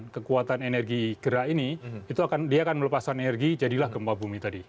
kekuatan energi gerak ini dia akan melepaskan energi jadilah gempa bumi tadi